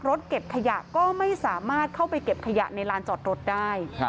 รถเก็บขยะก็ไม่สามารถเข้าไปเก็บขยะในลานจอดรถได้